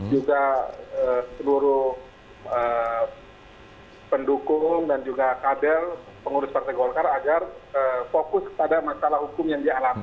juga seluruh pendukung dan juga kader pengurus partai golkar agar fokus pada masalah hukum yang dialami